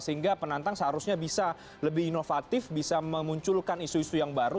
sehingga penantang seharusnya bisa lebih inovatif bisa memunculkan isu isu yang baru